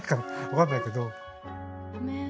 分かんないけど。